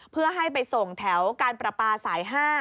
เพื่อให้ไปส่งแถวการประปาสาย๕